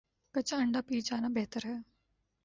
کچا انڈہ پی جانا بہتر ہے